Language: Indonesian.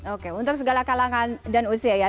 oke untuk segala kalangan dan usia ya